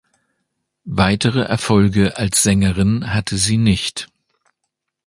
Weitere Erfolge als Sängerin hatte sie nicht.